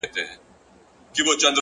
مثبت فکر د اندېښنو زور کموي.